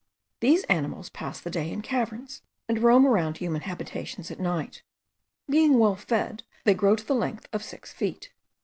These animals pass the day in caverns, and roam around human habitations at night. Being well fed, they grow to the length of six feet.